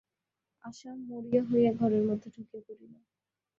আশা মরিয়া হইয়া ঘরের মধ্যে ঢুকিয়া পড়িল।